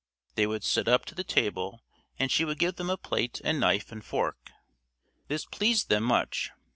They would sit up to the table and she would give them a plate and knife and fork. This pleased them much.